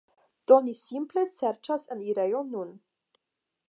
Do ni simple serĉas enirejon nun.